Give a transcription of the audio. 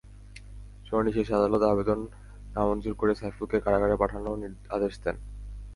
শুনানি শেষে আদালত আবেদন নামঞ্জুর করে সাইফুলকে কারাগারে পাঠানোর আদেশ দেন।